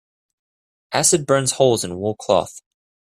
Acid burns holes in wool cloth.